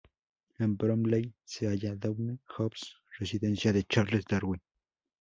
En Bromley se halla Down House, residencia de Charles Darwin.